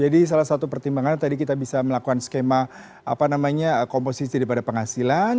jadi salah satu pertimbangan tadi kita bisa melakukan skema komposisi daripada penghasilan